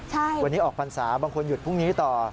ใช่วันนี้ออกวันสามบางคนหยุดพรุ่งนี้ต่อ